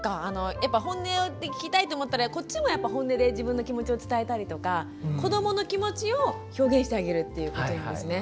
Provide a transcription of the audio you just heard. やっぱホンネで聞きたいと思ったらこっちもホンネで自分の気持ちを伝えたりとか子どもの気持ちを表現してあげるっていうことなんですね。